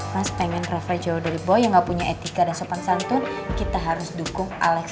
mas pengen refleks jauh dari bawah yang gak punya etika dan sopan santun kita harus dukung alex